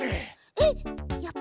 えっ！